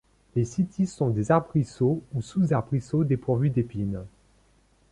Les cytises sont des arbrisseaux ou sous-arbrisseaux dépourvus d'épines.